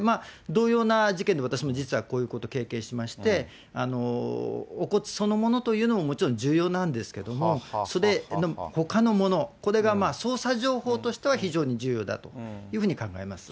同様な事件で、私も実はこういうことを経験しまして、お骨そのものというのももちろん重要なんですけれども、それのほかのもの、これが捜査情報としては非常に重要だというふうに考えます。